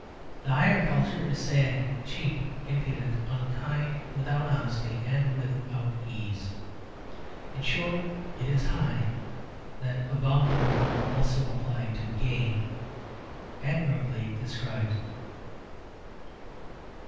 The higher culture is sad, cheap, impudent, unkind, without honesty and without ease. In short, it is "high." That abominable word (also applied to game) admirably describes it.